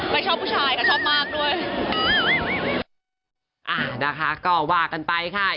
ไม่ชอบผู้ชายแต่ชอบมากด้วย